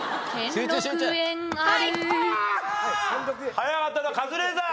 早かったのはカズレーザー。